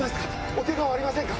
おケガはありませんか？